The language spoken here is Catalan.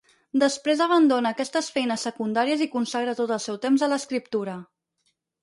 Després abandona aquestes feines secundàries i consagra tot el seu temps a l'escriptura.